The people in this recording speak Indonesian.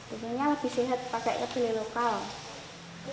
di sini lebih sehat pakai kedelai lokal